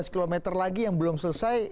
lima belas km lagi yang belum selesai